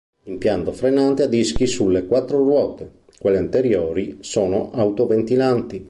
L'impianto frenante ha dischi sulle quattro ruote; quelli anteriori sono autoventilanti.